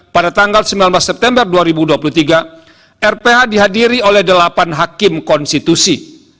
pada tanggal sembilan belas september dua ribu dua puluh tiga rph dihadiri oleh delapan hakim konstitusi